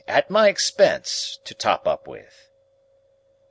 At my expense? To top up with?"